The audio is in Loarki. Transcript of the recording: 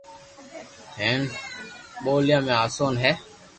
ھي ھين ٻوليا ۾ آسون ھي